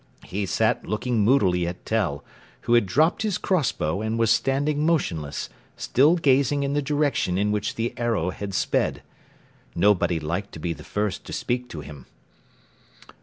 He sat looking moodily at Tell, who had dropped his cross bow and was standing motionless, still gazing in the direction in which the arrow had sped. Nobody liked to be the first to speak to him.